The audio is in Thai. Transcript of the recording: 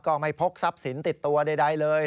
ไม่พกทรัพย์สินติดตัวใดเลย